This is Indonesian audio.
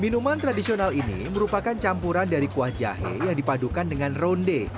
minuman tradisional ini merupakan campuran dari kuah jahe yang dipadukan dengan ronde